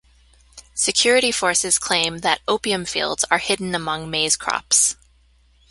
Security forces claim that opium fields are hidden among maize crops.